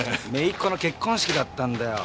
姪っ子の結婚式だったんだよ。